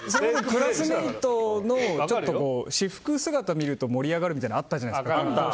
クラスメートの私服姿を見ると盛り上がるみたいなのあったじゃないですか。